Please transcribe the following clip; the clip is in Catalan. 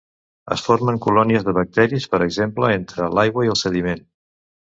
Es formen colònies de bacteris per exemple entre l'aigua i el sediment.